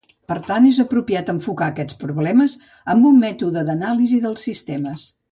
Per tant és apropiat enfocar aquests problemes amb un mètode d'anàlisi dels sistemes.